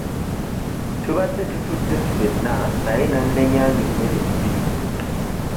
Tubadde tutudde ffenna naye n'annenya ng'emmere esiridde.